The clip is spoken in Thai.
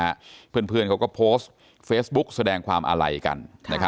ยากจนเพื่อนเขาก็โพสต์เฟซบุ๊กแสดงความอะไหลกัน